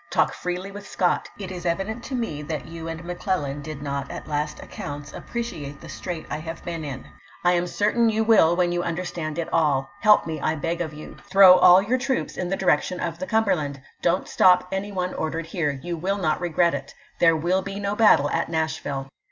Talk freely with Scott. It is evident to me that you and Mc Clellan did not at last accounts appreciate the strait I have been in. I am certain you will when you under stand it all. Help me, I beg of you. Throw aU your troops in the direction of the Cumberland. Don't stop any one ordered here. You wiU not regret it. There will be no battle at Nashville.